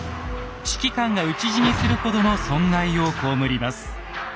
指揮官が討ち死にするほどの損害を被ります。